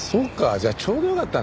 じゃあちょうどよかったね。